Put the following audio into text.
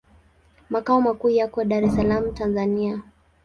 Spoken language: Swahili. Makao makuu yako Dar es Salaam, Tanzania.